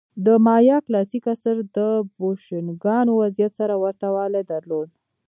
د مایا کلاسیک عصر د بوشونګانو وضعیت سره ورته والی درلود.